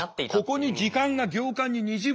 ここに時間が行間ににじむ。